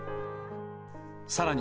さらに